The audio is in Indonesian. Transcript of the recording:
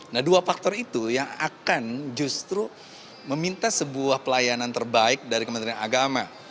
nah dua faktor itu yang akan justru meminta sebuah pelayanan terbaik dari kementerian agama